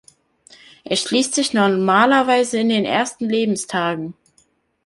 Er schließt sich normalerweise in den ersten Lebenstagen.